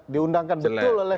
diundangkan betul oleh